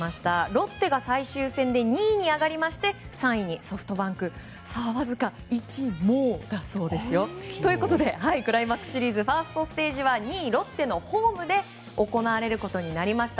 ロッテが最終戦で２位に上がり３位にソフトバンク。ということでクライマックスシリーズファーストステージは２位、ロッテのホームで行われることになりました。